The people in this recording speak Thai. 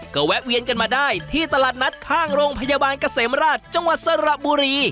ก็แวะเวียนกันมาได้ที่ตลาดนัดข้างโรงพยาบาลเกษมราชจังหวัดสระบุรี